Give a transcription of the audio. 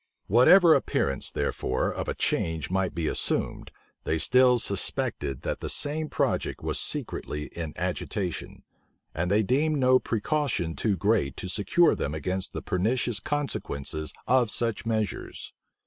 Whatever appearance, therefore, of a change might be assumed, they still suspected that the same project was secretly in agitation; and they deemed no precaution too great to secure them against the pernicious consequences of such measures.